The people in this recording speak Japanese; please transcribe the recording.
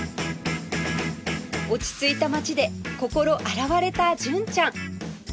落ち着いた街で心洗われた純ちゃん